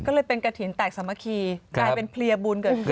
ก็เลยเป็นกระถิ่นแตกสามัคคีกลายเป็นเพลียบุญเกิดขึ้น